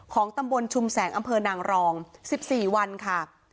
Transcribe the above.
ของตำบลชุมแสงอำเภอนางรอง๑๔วันค่ะ